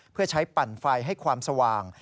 เพื่อใช้ปั่นไฟให้ความสว่าง